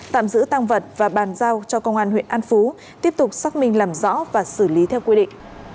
tạm giữ tăng vật và bàn giao cho công an huyện an phú tiếp tục xác minh làm rõ và xử lý theo quy định